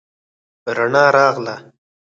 رڼا راغله